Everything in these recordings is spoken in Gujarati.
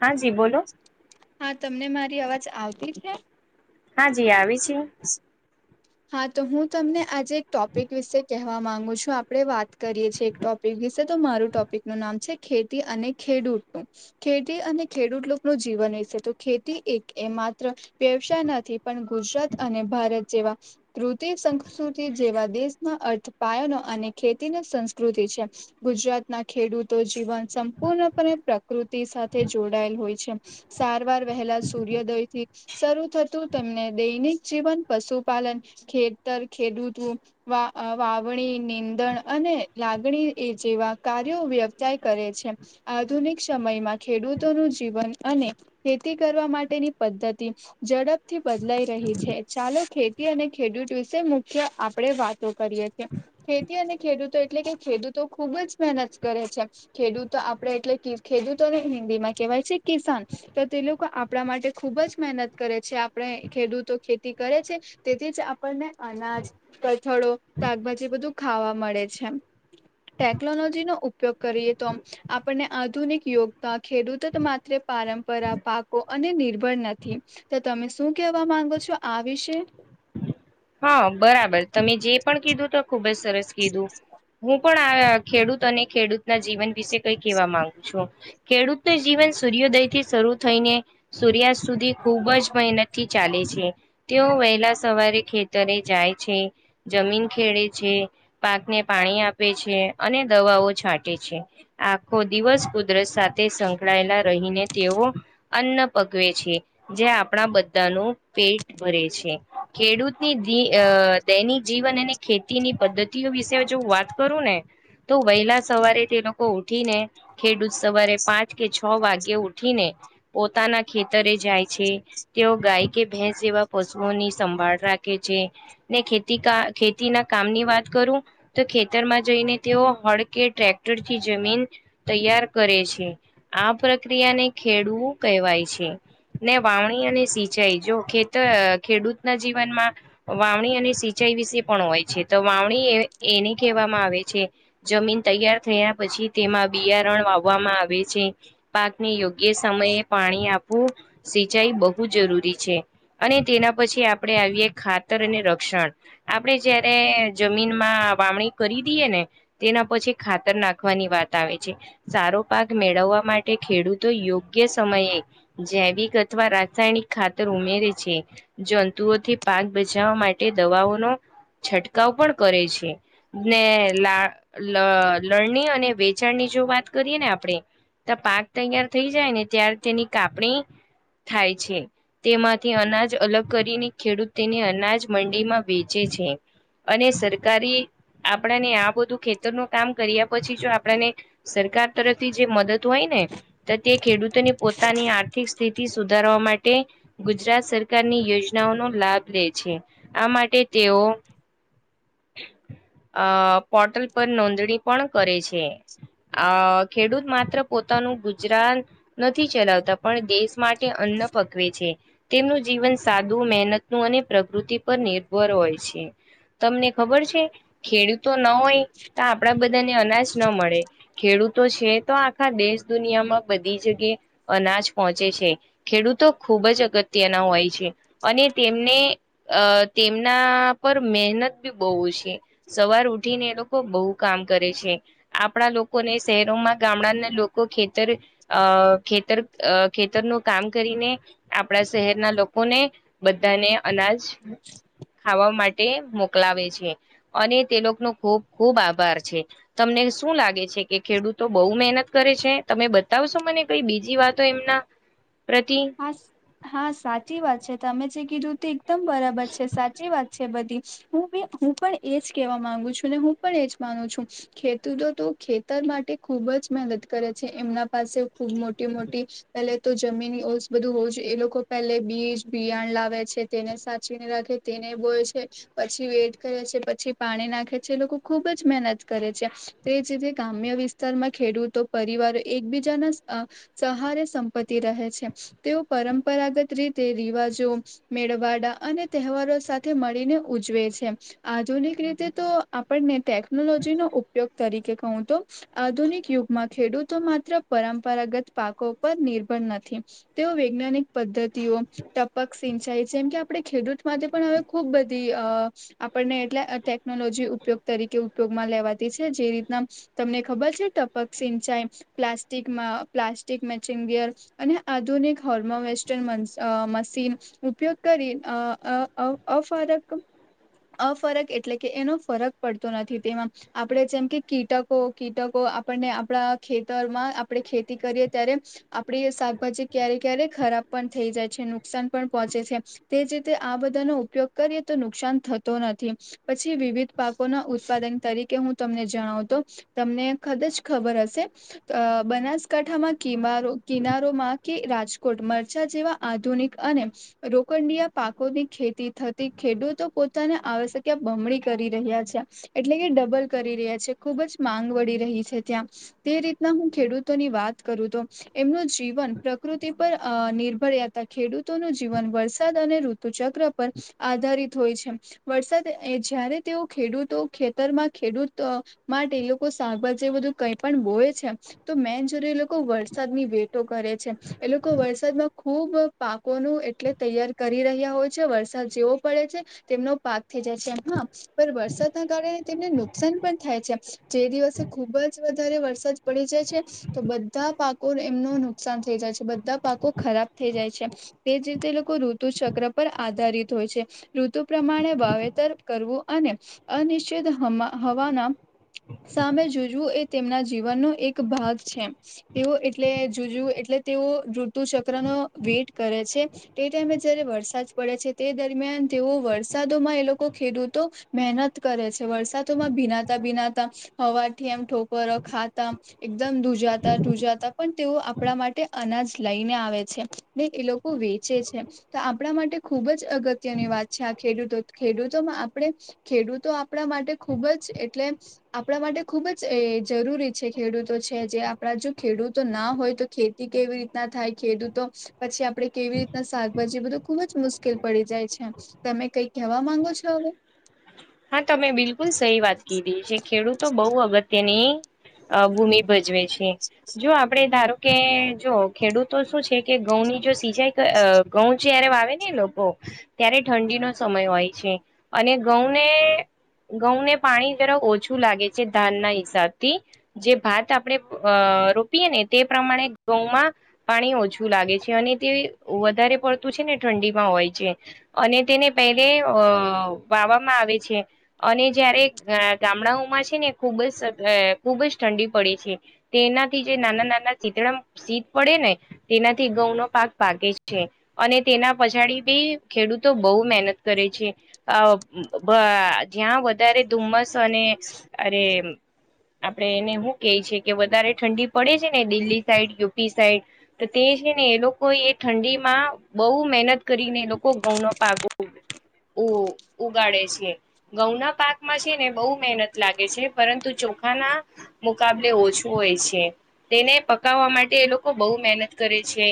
હા જી બોલો. હ તમને મારી અવાજ આવતી છે? હા જ આવી છે. હા તો હું તમને આજે એક ટોપિક વિશે કહેવા માંગુ છું આપડે વાત કરીએ છીએ એક ટોપિક વિશે. તો મારું ટોપિક નું નામ છે ખેતી અને ખેડૂતનું ખેતી અને ખેડૂત લોકોનું જીવન, એ છે તો ખેતી એક એ માત્ર પવસા નથી પણ ગુજરાત અને ભારત જેવા કૃતિ સંસ્કૃતિ જેવા, દેશમાં અર્થપાયનો અને ખેતી સંસ્કૃતિ છે, ગુજરાત ના ખેડૂતો જીવન સંપૂર્ણપણે પ્રકૃતિ સાથે જોડાયેલ હોય છે, સારવાર વહેલા સૂર્યોદય થી શરૂ થતું તેમને દૈનિક જીવન પશુપાલન, ખેતર ખેડૂત વાવણી નીંદણ લાગણી જેવા કાર્યો વ્યક્ય કરે છે, આધુનિક સમયમાં ખેડૂતો નું જીવન અને ખેતી કરવા માટેની પદ્ધતિ, ઝડપથી બદલાઈ રહી છે ચાલો ખેતી અને ખેડૂત વિશે મુખ્ય આપણેે વાતો કરીએ છીએ, ખેતી અને ખેડૂત ૂતો એટલે કે ખેડૂતો ખુબ જ મહેનત કરે છે, ખેડૂતો આપડે એટલે ખેડૂતોને હિ કેવાય છે કિસાન, તો તે લોકો આપણા માટે ખુબ જ મહેનત કરે છે આપણે ખેડૂતો ખેતી કરે છે, તેથી જ આપણને અનાજ, કથળો, શાકભાજી બધું ખાવા મળે. [unintelligible] ટેકનોલોજી નો ઉપયોગ કરીએ તો, આપણને આધુનિક યોગતા ખેડૂત જ માત્ર પા પરંપરા પાકો અને નિર્ભર નથી, તો તમે શું કેવા માંગો છો. આ વિશે હા બરાબર તમે જે પણ કીધું તો ખુબ જ સરસ કીધું હું પણ ખેડૂત અને ખેડૂત ના જીવન વિશે કઈ કેહેવા માંગુ છું ખેડૂત નું જીવન સૂર્યોદયથી શરૂ થઈને સૂર્યાસ્ત સુધી ખૂબ જ મહેનત થી ચાલે છે તેઓ વહેલા સવારે ખેતી જાય છે જમીન ખેડે છે પાકને પાણી આપે છે અને દવા છાંટે છે આખો દિવસ કુદરત સાથે સંકળાયેલા રહીને તેઓ અન્ન પગવે છે જે આપણા બધાનું પેટ ભરે છે ખેડૂત ની ડી દૈનિક જીવન અને ખેતીની પદ્ધતિઓ વિશે જો હું વાત કરું ને તો વહેલા સવારે તે લોકો ઉઠીને ખેડૂત સવારે પાંચ કે છ વાગે ઉઠીને પોતાના ખેતરે જાય છે તેઓ ગાય કે ભેંસ જેવા પશુઓની સંભાળ રાખે છે ને ખેતી કામ ખેતી ના કામ ની વાત કરું તો ખેતર માં જઈને તેઓ હડકે ટ્રેક્ટરથી જમીન તૈયાર કરે છે આ પ્રક્રિયાને ખેડૂત કહેવાય છે ને વાવણી અને સિંચાઈ જો ખેતર ખેડૂતના જીવનમાં વાવણી અને સિંચાઈ વિશે પણ હોય છે તો વાવણી એ એને કહેવામાં આવે છે- જમીન તૈયાર થયા પછી તેમાં બિયારણ વાવવામાં આવે છે પાકને યોગ્ય એ સમયે પાણી આપવું સિંચાઈ બહુ જરૂરી છે અને તેના પછી આપણે આવીએ ખાતર અને રક્ષણ આપણે જયારે જમીનમાં વાવણી કરી દઈએ ને તેને- પછી ખાતર નાખવાની વાત આવે છે સારો પાક મેળવવા માટે ખેડૂતો યોગ્ય સમયે જૈવિક અથવા રાસાયણિક ખાતર ઉમેરે છે જંતુઓથી પાક બચાવવા માટે દવાઓનો છંટકાવ પણ કરે છે ને લા લણણી અને વેચાણની જો વાત કરીએ ને આપણે તો પાક તૈયાર થઈ જાય ને ત્યારે તેની કાપણી થાય છે તેમાંથી અનાજ અલગ કરીને ખેડૂત તેને અનાજ મંડીમાં વેચે છે અને સરકારી આપણાને આ બધું ખેતર નું કામ કર્યા પછી જો આપણને સરકાર તરફથી જે મદદ હોય ને તો તે ખેડૂતોની પોતાની આર્થિક સ્થિતિ સુધારવા માટે ગુજરાત સરકારની યોજનાઓનો લાભ લે છે. આ માટે તેઓ અ પોર્ટલ પર નોંધણી પણ કરે છે. છે. અ ખેડૂત માત્ર પોતાનું ગુજરાન નથી ચલાવતા પણ દેશ માટે અન્ન પકવે છે. તેમનું જીવન સાદું મહેનત નું અને પ્રકૃતિ પર નિર્ભર હોય છે. તમને ખબર છે ખેડૂત તો ન હોય તો આપડા બધા ને અનાજ ન મળે ખેડૂતો છે. તો આખા દેશ દુનિયામાં બધી જગ્યા અના પહોચે છે. ખેડૂતો ખુબ જ અગત્યના હોય છે અને ને અ તેમના પર મહેનત બી બઉ છે. સવાર ઉઠીને એ લોકો બહુ કામ કરે છે. આપણા લોકોને શહેરોમાં ગામડાના લોકો ખેતર અ અ ખેતર અ ખેતરનું કામ કરીને આપણા શહેરના લોકોને બધાને અનાજ ખાવા માટે તે મોકલાવે છે. અને તે લોકોનો ખૂબ ખૂબ આભાર છે. તમને શું લાગે છે કે ખેડૂતો બહુ મહેનત કરે છે. તમે બતાવશો મને કઈ બીજી વાતો એમના પ્રતિ હા સાહા સાચી વાત છે. તમે જે કીધુ તે એકદમ બરાબર છે. સાચી વાત છે. બધી હું બી હું પણ એજ કવા માંગુ છું ને હું પણ એજ માનું છું. ખેતૂતો તો ખેતર માટે ખુબ જ મહેનત કરે છે. એમના પાસે ખૂબ મોટી મોટી પેલે તો જમીન ઓ બધું હોવુ જોએ એ લોકો પહેલે બીજ બિયાણ લાવે છે. તેને સાચવીને રાખે તેને બોયે છે. પછી વેઇટ કરે છે. પછી પાણી નાખે છે. એ લોકો ખુબ જ મહેનત કરે છે. તે જ રીતે ગામે અ વિસ્તારમાં ખેડૂતો પરિવારો એકબીજાના અ સહારે સંપત્તિ રહે છે. તેઓ પરંપરાગત રીતે રિવાજો, મેળવાડા અને તહેવારો સાથે મળીને ઉજવે છે. આધુનિક રીતે તો આપડને ટેકનોલોજીનો ઉપયોગ તરીકે કહું, તો આધુનિક યુગમાં ખેડૂતો માત્ર પરંપરાગત પાકો પર નિર્ભર નથી. તેઓ વૈજ્ઞાનિક પદ્ધતિઓ ટપક સિંચાઈ જેમ કે આપડે ખેડૂત માટે પણ હવે ખુબ બધી અ આપડને એટલે ટેકનોલોજી ઉપયોગ તરીકે ઉપયોગમાં લેવાતી છે. જે રીતના ત ને ખબર છે. ટપક સિંચાઈ, પ્લાસ્ટિકમાં પ્લાસ્ટિક મેચિંગ વ્યર અને આધુનિક હોર્મો વેસ્ટન મન્શ મશીન ઉપયોગ કરી અ અ અ [unintelligible] અફરક એટલે કે એનો ફરક પડતો નથી. તેમાં આપણે જેમ કે કીટકો કીટકો આપડને આપડા ખેતરમાં આપડે ખેતી કરીએ ત્યારે આપડી પછી ક્યારે ક્યારેક ખરાબ પણ થઈ જાય છે. નુકસાન પણ પહોંચે છે. તેજ રીતે આ બધા નો ઉપયોગ રીએ તો નુકસાન થતો નથી. પછી વિવિધ પાકોના ઉત્પાદન તરીકે હું તમને જણાવ તો તમને ખદ જ ખબર હશે. અ બનાસકાંઠામાં કિમારો કિનારોમાં કે રાજકોટ મરચા જેવા આધુનિક અને રોકડીયા પાકોની ખેતી થતી ખેડૂતો પોતાના આવશ્યકયા બમણી કરી રહ્યા છે. એટલે કે ડબલ કરી રહ્યા છે. ખુબ જ માંગ વળી રહી છે. ત્યાં તે રીતના હું ખેડૂતોની વાત કરું તો એમનું જીવન પ્રકૃતિ પર અ નિર્ભર્યાતા ખેડૂતોનું જીવન વરસાદ અને ઋતુ ચક્ર પર આધારિત હોય છે. વરસાદ એ જ્યારે તેઓ ખેડૂતો ખેતરમાં ખેડૂત માટે લોકો શકભાજી જે બધું કઈ પણ બોય છે તો મેન જરૂરી એ લોકો વરસાદની વેટો કરે છે. એ લોકો વરસાદમાં ખુબ પાકોનું એટલે તૈયાર કરી રહ્યા હોય છે. વરસાદ જેવો પડે તેમનો પાક થઈ જાય તેમ હ પર વરસાદ ના કારણે તેમને નુકસાન પણ થાય છે. જે દિવસે ખુબ જ વધારે વરસાદ પડી જાય છે તો બધા પાકો એમનું નુકસાન થઈ જાય છે. બધા પાકો ખરાબ થઈ જાય છે. તે જ રીતે એ લોકો ઋતુ ચક્ર પર આધારિત હોય છે. ઋતુ પ્રમાણે વાવેતર કરવું અને અનિશ્ચિત હમા હવાના સામે જુજવું એ તેમના જીવનનો એક ભાગ છે. એવો એટલે જુજવું એટલે તેઓ ઋતુચક્રનો વેઇટ કરે છે. તે ટાઈમે જયારે વરસાદ પડે છે તે દરમિયાન તેવઓ વરસાદોમાં એ લોકો ખેડૂતો મહેનત કરે છે વરસાદોમાં ભીનાતા ભીનાતા હવા થી એમ ઠોકર ખાતા એકદમ ધુજાતા ધુજાતા પણ તેઓ આપણા માટે અનાજ લઈને આવે છે ને એ લોકો વેચે છે તો આપણા માટે ખુબ જ અગત્યની વાત વાત છે. ખેડૂતો ખેડૂતોમાં આપણે ખેડૂતો આપણા માટે ખૂબ જ એટલે આપ આપણા માટે ખૂબ જ જરૂરી છે ખેડૂતો છે જે આપણા જો ખેડૂતો ના હોય તો ખેતી તી કેવી રીતના થાય ખેડૂતો પછી આપડે કેવી રીતના પછી બધું ખુબ જ મુશ્કેલ પડી જાય છે તમે કઈ કેવા માંગો છો હવે? હા તમે બિલકુલ સહી વાત કીધી છે ખેડૂતો બહ અગત્ય તેની ભૂમિ ભજવે છે જો આપડે ધારો કે જો ખેડૂતો શું છે કે ઘઉં ની જો સિંચાઈ ઘઉં જય્યારે વાવે ને લોકો ત્યારે ઠંડીનો સમય હોય છે અને ઘઉંને ઘઉંને પાણી જરા ઓછું લાગે છે ધાન ના હિસાબથી જે ભાત આપણે રોપીએ ને તે પ્રમાણે ઘઉંમાં પાણી ઓછું લાગે છે અને તે વધારે પડતું છે ને ઠંડી માં હોય છે અને તેને પહેલે અ વાવામાં આવે છે અને જયારે ગામડાઓમાં છે ને ખુબ જ ખુબ જ ઠંડી પડે છે તેનાથી જે નાના નાના શીતળ શીત પડે ને તેનાથી ઘઉંનો પાક પાકે છે અને તેના પછાડી બી ખેડૂતો બહુ મહેનત કરે છે. અ જ્યાં વધારે ધુમસ અને અરે આપડે એને શું કે છે કે વધારે ઠંડી પડે છે ને દિલ્હી સાઈડ યુપી સાઈડ તો તે છે ને એ લોકો એ ઠંડી માં બહુ મહેનત કરીને એ લોકો ગઉન અપ આપ્યો ઉગાડે છે ઘઉંના પાકમાં છે ને બહુ મહેનત લાગે છે પરંતુ ચોખાના મુકાબલે ઓછું હોય છે તેને પકાવવા માટે એ લોકો બહુ મહેનત કરે છે.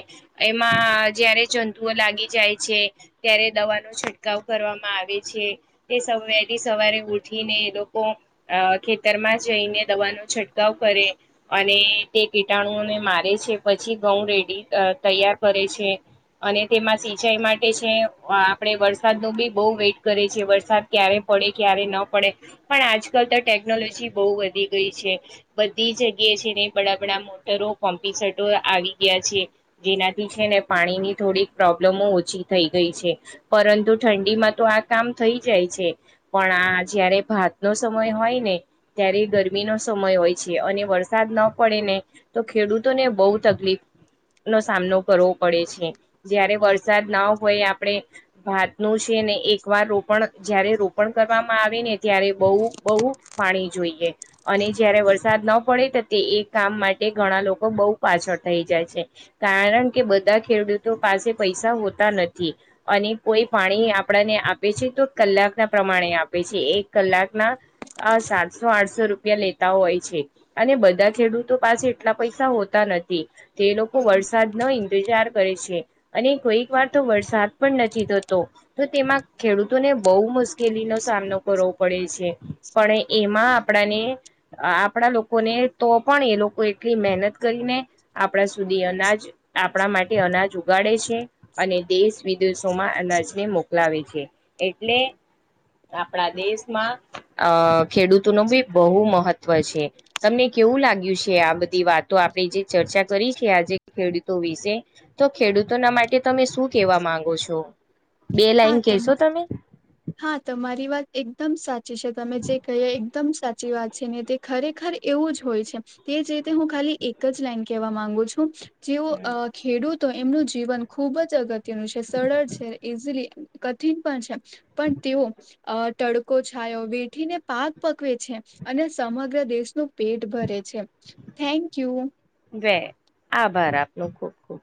એમાં જયારે જંતુઓ લાગી જાય છે ત્યારે દવા ન છિટકાવ કરવામાં આવે છે. તે સ વહેલી સવારે ઉઠીને એ લોકો અ ખેતર માં જઈને દવાનું છંટકાવ કરે અને તે કીટાણુઓને મારે છે પછી ઘઉં રેડી તૈયાર કરે છે અને તેમાં સિંચાઈ માટે છે આપે વરસાદ ન બી બહ વેટ કરે છે વરસાદ ક્યારે પડે ક્યારે ન પડે પણ આજકાલ તો ટેકનોલોજી બહુ વધી ગઈ છે. બધી જગ્યા છેને બડાબડા મોટરો કોમ્પીસટો આવી ગયા છે જેના છે ને પાણીની થોડીક પ્રોબ્લેમો ઓછી થઈ ગઈ છે પરંતુ ઠંડીમાં તો આ કામ થઈ જાય છે પણ આ જયારે ભાત નો સમય હોય ને ત્યારે ગરમીનો સમય હોય છે અને વરસાદ ન પડે ને તો ખેડૂતોને બહુ તકલીફ સામનો કરવો પડે છે જયારે વરસાદ ના હોય આપણે ભાત નો છે ને વાર રોપણ જયારે રોપણ કરવામાં આવે ને ત્યારે બહુ બહુ પાણી જોઈએ અને જયારે વરસાદ ન પડે તે એ કામ માટે ઘણા લોકો બહુ પાછા ફસાઈ જાય છે કારણ કે બધા ખેડૂતો પાસે પૈસા હોતા નથી અને કોઈ પાણી આપણાને આપ આપ છે તો કલાક ના પ્રમાણે આપે છે એક કલાકના સાતસો આઠસો રૂપિયા લેતા હોય છે અને બધા ખેડૂતો પાસે એટલા પૈસા હોતા નથી તે લોકો વરસાદ નો ઇંતજાર કરે છે અને કોઈક વાર તો વરસાદ પણ નથી થતો તો તેમાં ખેડૂતોને બહુ મુશ્કેલીનોો સામનો કરવો પડે છે પણ એમાં આપણાને આપણા લોકોને તો પણ એ લોકો એટલી મહેનત કરીને આપણા સુધી અનાજ આપણા માટે અનાજ ઉગાડે છે અને દેશ વિદેશોમાં અનાજને મોકલાવે છે એટલે આપણા દેશમાં અ ખેડૂતો નો બી બહુ મહત્વ છે તમને કેવું લાગ્યું છે આ બધી વાતો આપણે જે ચર્ચા કરી છે આજે ખેડૂતો વિશે તો ખેડૂતોના માટે તમે શું કેવા માંગો ગો છો બે હા લાઈન તમા કેશો હા તમારી વાત એકદમ સાચી છે તમે જે કહીએ એકદમ સાચ સાચી વાત છે ને તે ખરેખર એવું જ હોય છે તે જ રીતે હું ખાલી એક જ લાઈન કેવા માંગુ છું. જેવું ખેડૂતો એમનું જીવન ખુબ જ અગત્યનું છે સરળ છે ઈઝીલી કઠિન પણ છે પણ તેઓ તડકો છાયો વેઠીને પાક પકવે છે અને સમગ્ર દેશનું પેટ ભરે છે થેન્ક યુ લે આભાર આપનો ખુબ ખુબ